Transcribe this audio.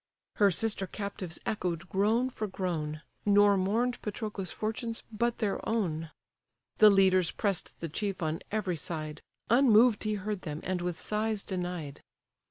Her sister captives echoed groan for groan, Nor mourn'd Patroclus' fortunes, but their own. The leaders press'd the chief on every side; Unmoved he heard them, and with sighs denied.